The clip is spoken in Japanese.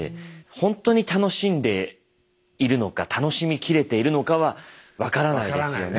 ほんとに楽しんでいるのか楽しみきれているのかは分からないですよね。